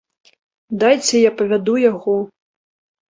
Дайце я павяду яго.